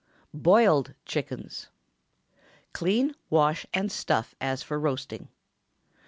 BOILED CHICKENS. Clean, wash, and stuff as for roasting.